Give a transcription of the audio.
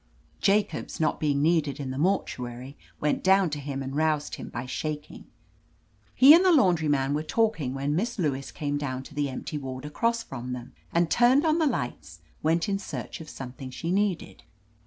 Jacobs, not being needed in the mor tuary, went down to him and roused him by shaking. He and the laundry man were talk ing when Miss Lewis came down to the empty ward across from them, and turning on the lights, went in search of something she needed.